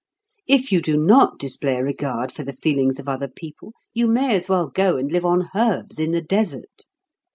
If you do not display a regard for the feelings of other people, you may as well go and live on herbs in the desert.